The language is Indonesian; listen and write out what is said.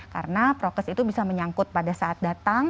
karena prokes itu bisa menyangkut pada saat datang